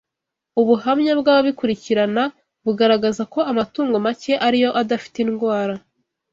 Ubuhamya bw’ababikurikirana bugaragaza ko amatungo make ari yo adafite indwara